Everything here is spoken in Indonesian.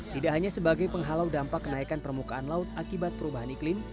tidak hanya sebagai penghalau dampak kenaikan permukaan laut akibat perubahan iklim